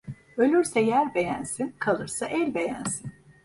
Ölürse yer beğensin, kalırsa el beğensin.